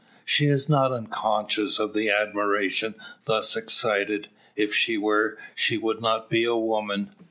She is not unconscious of the admiration thus excited. If she were, she would not be woman.